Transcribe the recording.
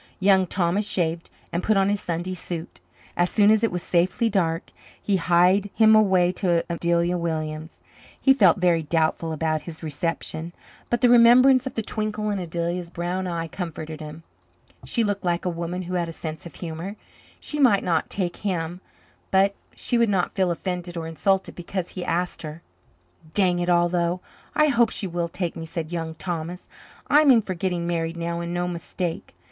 Young Thomas shaved and put on his Sunday suit. As soon as it was safely dark, he hied him away to Adelia Williams. He felt very doubtful about his reception, but the remembrance of the twinkle in Adelia's brown eyes comforted him. She looked like a woman who had a sense of humour; she might not take him, but she would not feel offended or insulted because he asked her. "Dang it all, though, I hope she will take me," said Young Thomas. "I'm in for getting married now and no mistake.